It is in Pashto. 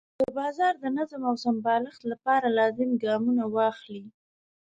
د بازار د نظم او سمبالښت لپاره لازم ګامونه واخلي.